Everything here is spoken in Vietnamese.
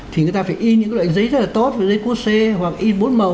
thì người ta phải y những loại giấy rất là tốt giấy cút xe hoặc y bốn màu